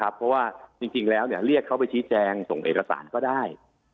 เพราะว่าจริงแล้วเรียกเขาไปชี้แจงส่งเอกสารก็ได้